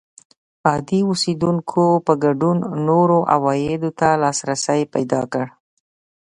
عادي اوسېدونکو په ګډون نورو عوایدو ته لاسرسی پیدا کړ